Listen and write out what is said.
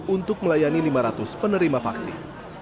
untuk melayani lima ratus penerima vaksin